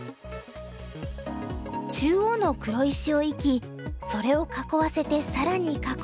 中央の黒石を生きそれを囲わせて更に囲うハメ手作戦。